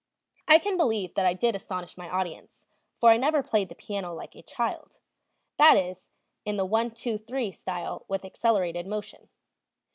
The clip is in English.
I can believe that I did astonish my audience, for I never played the piano like a child; that is, in the "one two three" style with accelerated motion.